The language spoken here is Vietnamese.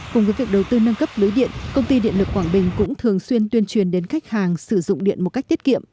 cùng với việc đầu tư nâng cấp lưới điện công ty điện lực quảng bình cũng thường xuyên tuyên truyền đến khách hàng sử dụng điện một cách tiết kiệm